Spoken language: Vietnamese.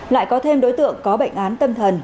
lại có thêm đối tượng có bệnh án tâm thần